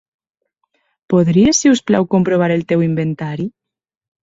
Podries, si us plau, comprovar el teu inventari?